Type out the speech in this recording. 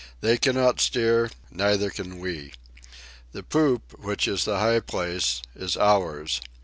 They cannot steer, neither can we. The poop, which is the high place, is ours.